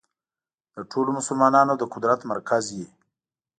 د ټولو مسلمانانو د قدرت مرکز وي.